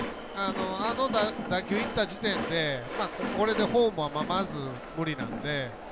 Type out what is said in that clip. あの打球いった時点でこれでホームは、まず無理なので。